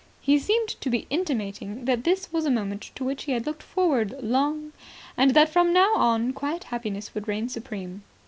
He seemed to be intimating that this was a moment to which he had looked forward long, and that from now on quiet happiness would reign supreme.